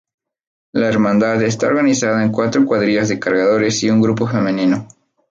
La Hermandad está organizada en cuatro cuadrillas de cargadores y un grupo femenino.